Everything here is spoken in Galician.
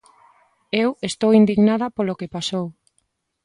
Eu estou indignada polo que pasou.